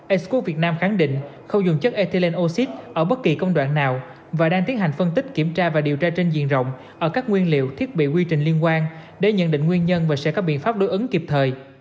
excco việt nam khẳng định không dùng chất ethilenoxid ở bất kỳ công đoạn nào và đang tiến hành phân tích kiểm tra và điều tra trên diện rộng ở các nguyên liệu thiết bị quy trình liên quan để nhận định nguyên nhân và sẽ có biện pháp đối ứng kịp thời